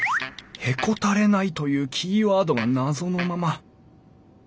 「へこたれない」というキーワードが謎のまま。